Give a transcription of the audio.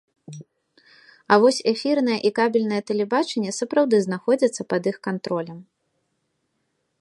А вось эфірнае і кабельнае тэлебачанне сапраўды знаходзяцца пад іх кантролем.